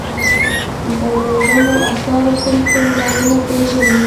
د لرغونو اثارو کوم کوم ځایونه پيژنئ.